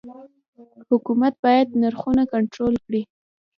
حکومت باید نرخونه کنټرول کړي؟